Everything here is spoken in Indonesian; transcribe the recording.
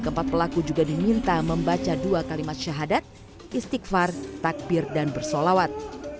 keempat pelaku juga diminta membaca dua kalimat syahadat istighfar takbir dan bersolawat